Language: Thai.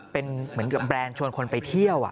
เป็นเหมือนกับแบรนด์ชวนคนไปเที่ยว